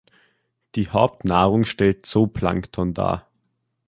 Die Hauptnahrung stellt Zooplankton dar.